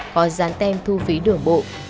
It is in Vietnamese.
có dán tem thu phí đường bộ